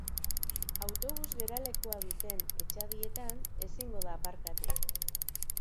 Autobus-geralekua duten etxadietan ezingo da aparkatu.